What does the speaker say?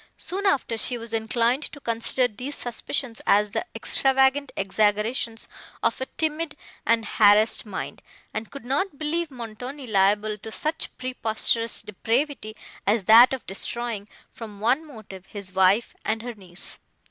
Soon after, she was inclined to consider these suspicions as the extravagant exaggerations of a timid and harassed mind, and could not believe Montoni liable to such preposterous depravity as that of destroying, from one motive, his wife and her niece.